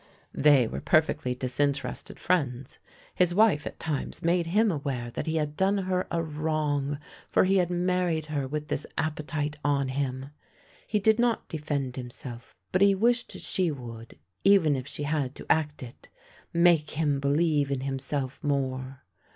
They were perfectly disinterested friends — his wife at times made him aware that he had done her a wrong, for he had married her with this appetite on him. He did not defend himself, but he wished she would — even if she had to act it — make him believe in himself more.